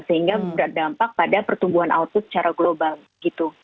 sehingga berdampak pada pertumbuhan output secara global gitu